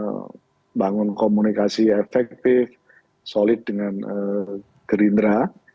tapi yang jelas pkb masih bangun komunikasi efektif solid dengan gerindra